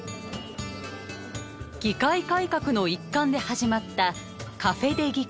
議会改革の一環で始まったカフェＤＥ議会。